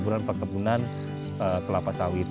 perkebunan perkebunan kelapa sawit